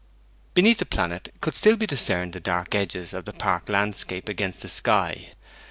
Beneath the planet could be still discerned the dark edges of the park landscape against the sky.